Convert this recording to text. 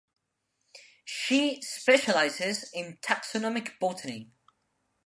She specializes in taxonomic botany.